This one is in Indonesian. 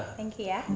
terima kasih ya